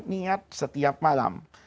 niat setiap malam